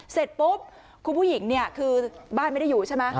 เสร็จปุ๊บคุณผู้หญิงเนี่ยคือบ้านไม่ได้อยู่ใช่ไหม